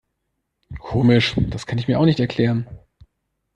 Komisch, das kann ich mir auch nicht erklären.